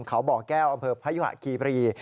เขาบ่อแก้วอำเภอพยุหะคีบรี